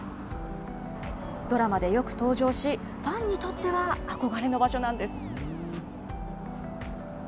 ドラマでよく登場し、ファンにとっては憧れの場所なんです。